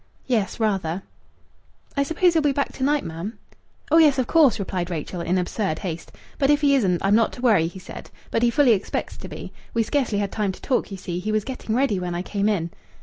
"Yes rather." "I suppose he'll be back to night, ma'am?" "Oh yes, of course!" replied Rachel, in absurd haste. "But if he isn't, I'm not to worry, he said. But he fully expects to be. We scarcely had time to talk, you see. He was getting ready when I came in."